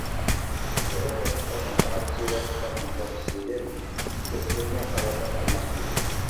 تۆۋەندە كىتاب مۇقاۋىسى ۋە كىتاب مۇندەرىجىسىدىن كۆپچىلىكنى خەۋەردار قىلماقچىمەن.